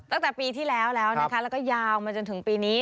ตั้งแต่ปีที่แล้วแล้วนะคะแล้วก็ยาวมาจนถึงปีนี้